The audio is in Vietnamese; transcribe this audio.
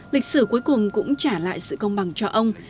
lịch sử cuối cùng cũng trả lại sự công bằng cho ông